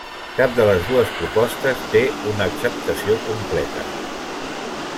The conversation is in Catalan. Cap de les dues propostes té una acceptació completa.